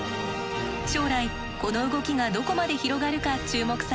将来この動きがどこまで広がるか注目されます。